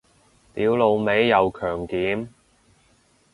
屌老味又強檢